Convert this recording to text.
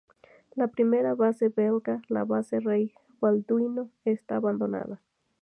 La primera base belga, la Base Rey Balduino, está abandonada.